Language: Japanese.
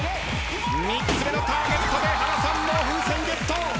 ３つ目のターゲットで原さん風船ゲット！